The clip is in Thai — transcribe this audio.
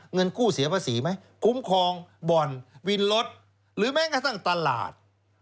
เงินกู้เสียภาษีไหมคุ้มครองบ่อนวินรถหรือแม้กระทั่งตลาด